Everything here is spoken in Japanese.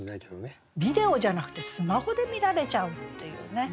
ビデオじゃなくてスマホで見られちゃうっていうね